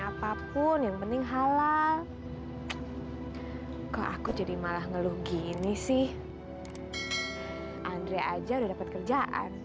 apapun yang penting halal kok aku jadi malah ngeluh gini sih andre aja udah dapat kerjaan